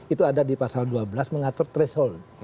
itu ada di pasal dua belas mengatur threshold